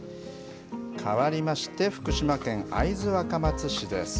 かわりまして、福島県会津若松市です。